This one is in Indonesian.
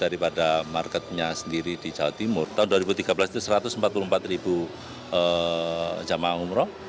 daripada marketnya sendiri di jawa timur tahun dua ribu tiga belas itu satu ratus empat puluh empat ribu jamaah umroh